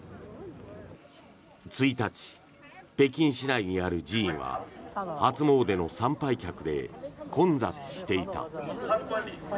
１日、北京市内にある寺院は初詣の参拝客で混雑していた。